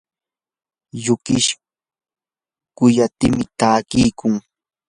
yukish quyatimi takiykun.